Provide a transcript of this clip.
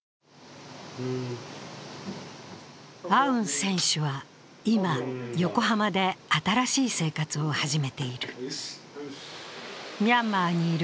アウン選手は今、横浜で新しい生活を始めている。